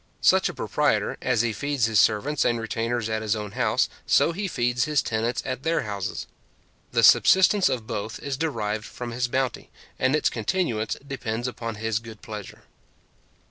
Such a proprietor, as he feeds his servants and retainers at his own house, so he feeds his tenants at their houses. The subsistence of both is derived from his bounty, and its continuance depends upon his good pleasure.